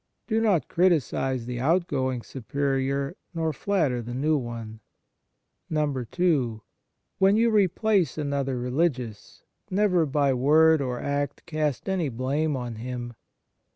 Do not criticize the outgoing Superior nor flatter the new one. (2) When you replace another religious. Never by word or act cast any blame on him.